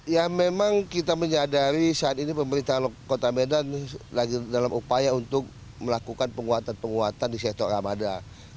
ya memang kita menyadari saat ini pemerintah kota medan lagi dalam upaya untuk melakukan penguatan penguatan di sektor ramadan